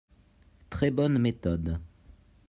Très bonne méthode